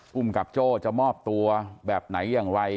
ภูมิกับโจ้จะมอบตัวแบบไหนอย่างไร